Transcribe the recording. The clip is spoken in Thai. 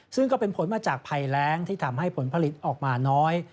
ซึ่งก็เป็นผลมาจากภัยแรงที่ทำให้ผลผลิตออกมาน้อย